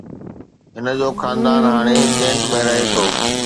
هن جو خاندان هاڻي ڪينٽ ۾ رهي ٿو